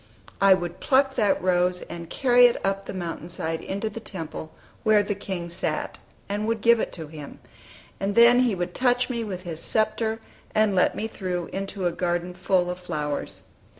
I would pluck that rose, and carry it up the mountain side into the temple where the King sat, and would give it to Him; and then He would touch me with his sceptre, and let me through into a garden full of flowers.